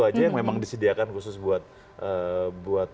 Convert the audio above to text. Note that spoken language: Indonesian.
aja yang memang disediakan khusus buat